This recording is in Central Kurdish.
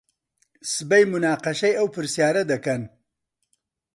سبەی موناقەشەی ئەو پرسیارە دەکەن.